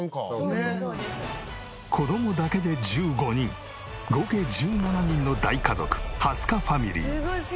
子供だけで１５人合計１７人の大家族蓮香ファミリー。